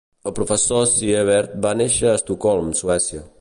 El professor Sievert va néixer a Estocolm, Suècia.